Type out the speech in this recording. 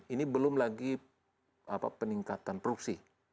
ini belum lagi peningkatan produksi